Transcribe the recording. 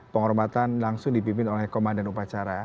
penghormatan langsung dipimpin oleh komandan upacara